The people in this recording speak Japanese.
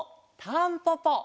タンポポ！